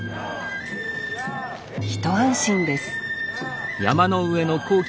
一安心ですヤー！